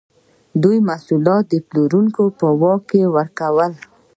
دوی محصولات د پلورونکو په واک کې ورکول.